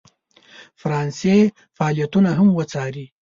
فرانسې فعالیتونه هم وڅاري.